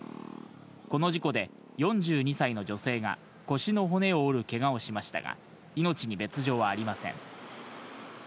この事故で、４２歳の女性が腰の骨を折るけがをしましたが、命に別状はありません。